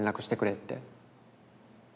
って。